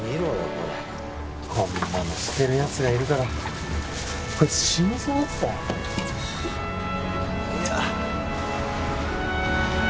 これこんなの捨てるやつがいるからこいつ死にそうだったよ